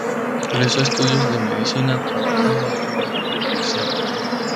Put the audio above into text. Realizó estudios de medicina, trabajando como agente comercial.